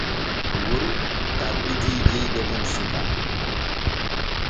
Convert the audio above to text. Woru tabbiti jeyde mum suke.